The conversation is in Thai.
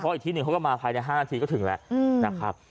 อีกที่หนึ่งเขาก็มาภายใน๕นาทีก็ถึงแล้วนะครับ